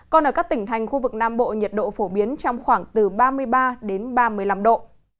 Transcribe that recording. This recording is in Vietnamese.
còn ở các tỉnh thành khu vực nam bộ nhiệt độ phổ biến trong khoảng từ ba mươi ba đến ba mươi năm độ